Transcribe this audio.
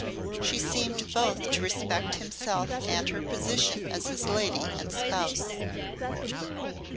She seemed both to respect himself and her position as his lady and spouse.